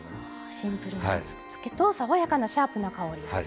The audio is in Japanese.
シンプルな味付けと爽やかなシャープな香り。